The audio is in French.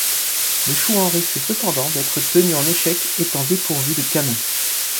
Les Chouans risquent cependant d'être tenus en échec, étant dépourvus de canons.